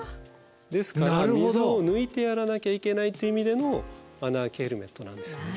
ですから水を抜いてやらなきゃいけないという意味での穴あきヘルメットなんですね。